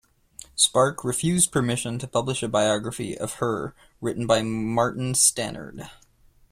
Spark refused permission to publish a biography of her written by Martin Stannard.